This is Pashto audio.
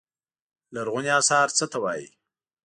لرغوني اثار څه ته وايي.